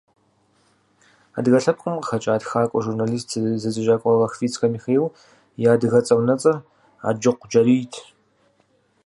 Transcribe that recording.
Адыгэ лъэпкъым къыхэкӀа тхакӏуэ, журнэлист, зэдзэкӏакӏуэ Лохвицкий Михаил и адыгэцӏэ-унэцӏэр Аджыкъу Джэрийт.